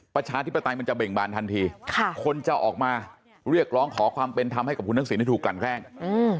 ประชาธิปไตยมันจะเบ่งบานทันทีคนจะออกมาเรียกร้องขอความเป็นธรรมให้กับคุณทักษิณที่ถูกกลั่นแกล้ง